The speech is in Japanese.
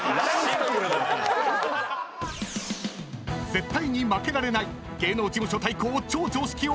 ［絶対に負けられない芸能事務所対抗超常識王決定戦］